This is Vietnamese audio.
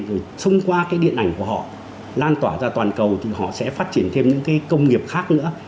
rồi thông qua cái điện ảnh của họ lan tỏa ra toàn cầu thì họ sẽ phát triển thêm những cái công nghiệp khác nữa